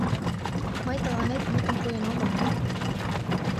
Мый тыланет мутым пуэн омыл.